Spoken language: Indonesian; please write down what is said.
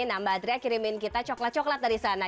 nah mbak adria kirimin kita coklat coklat dari sana